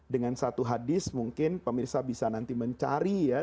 dengan satu hadis mungkin pemirsa bisa nanti mencari ya